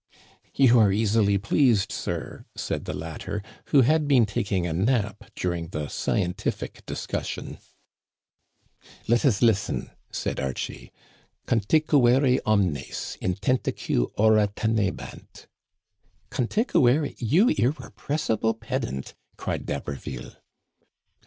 You are easily pleased, sir," said the latter, who had been taking a nap during the scientific discussion. Let us listen," said Archie ;Conticuire omnes^ in tentique ora ienebant*' *'^ Conticuêre .... you irrepressible pedant," cried D'Haberville.